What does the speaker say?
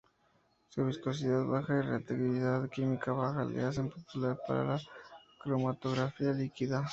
Su viscosidad baja y reactividad química baja le hacen popular para la cromatografía líquida.